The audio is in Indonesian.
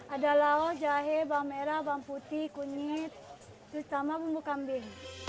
ada lauk jahe bawang merah bawang putih kunyit terutama bumbu kambing